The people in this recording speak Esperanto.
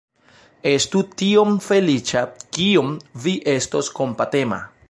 Estu tiom feliĉa, kiom vi estos kompatema!